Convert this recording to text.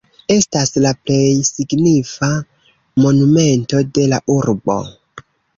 Estas la plej signifa monumento de la urbo.